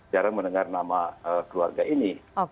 jarang mendengar nama keluarga ini